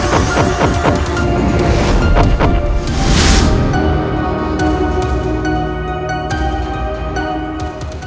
terima kasih banyak